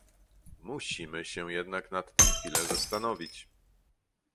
Musimy się jednak nad tym chwilę zastanowić